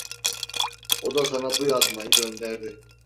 O da sana bu yazmayı gönderdi.